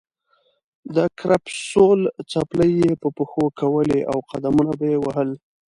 د کرپسول څپلۍ یې په پښو کولې او قدمونه به یې وهل.